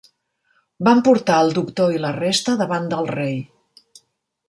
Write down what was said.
Van portar el doctor i la resta davant del rei.